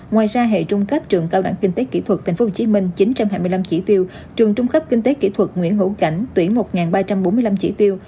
ngoài ra hệ trung cấp trường cao đẳng kinh tế kỹ thuật tp hcm chín trăm hai mươi năm chỉ tiêu trường trung cấp kinh tế kỹ thuật nguyễn hữu cảnh tuyển một ba trăm bốn mươi năm chỉ tiêu